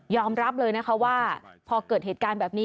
ยอมรับเลยว่าพอเกิดเหตุการณ์แบบนี้